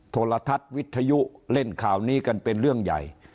โทรทัศน์วิทยุเล่นข่าวนี้กันเป็นเรื่องใหญ่